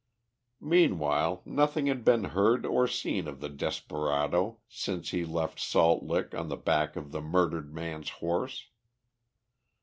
Meanwhile, nothing had been heard or seen of the desperado since he left Salt Lick on the back of the murdered man's horse.